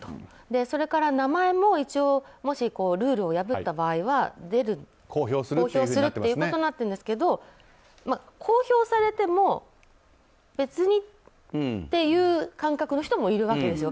それから名前も一応もしルールを破った場合は公表するということになってるんですけど公表されても別にという感覚の人もいるわけですよ。